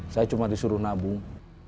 saya cuma disuruh nabung